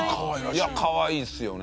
いやかわいいですよね。